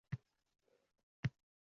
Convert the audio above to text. Ulkan umid bogʼlab lekin –